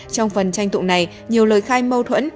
trong phần tranh tụng này nhiều lời khai mâu thuẫn